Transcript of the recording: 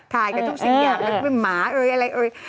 ถ่ายกับทุกสิ่งอย่างถึงหมาเอ้ยอะไรเอ้ย